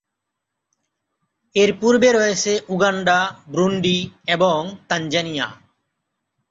এর পূর্বে রয়েছে উগান্ডা, ব্রুন্ডি এবং তানজানিয়া।